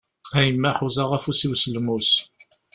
A yemma, ḥuzaɣ afus-iw s lmus!